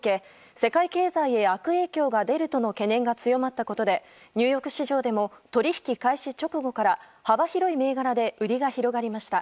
世界経済へ悪影響が出るとの懸念が強まったことでニューヨーク市場でも取引開始直後から幅広い銘柄で売りが広がりました。